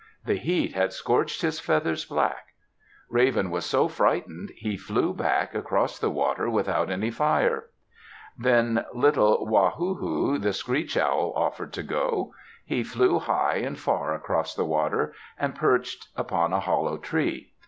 The heat had scorched his feathers black. Raven was so frightened he flew back across the water without any fire. Then little Wa hu hu, the Screech Owl, offered to go. He flew high and far across the water and perched upon a hollow tree.